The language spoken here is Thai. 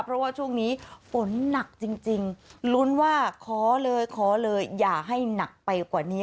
เพราะว่าช่วงนี้ฝนหนักจริงลุ้นว่าขอเลยขอเลยอย่าให้หนักไปกว่านี้